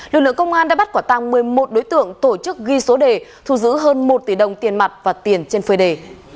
lực lượng công an đã bắt quả tăng một mươi một đối tượng tổ chức ghi số đề thu giữ hơn một tỷ đồng tiền mặt và tiền trên phơi đề